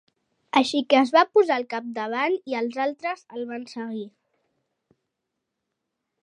Així que es va posar al capdavant i els altres el van seguir.